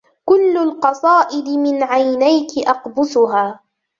كلُّ القصائدِ من عينيكِ أقبسها